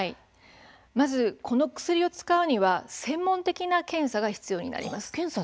まずこの薬を使うには専門的な検査が必要になります。